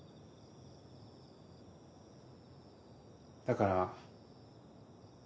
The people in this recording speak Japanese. だから。